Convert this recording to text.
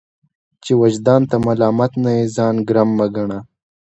چي وجدان ته ملامت نه يې ځان ګرم مه ګڼه!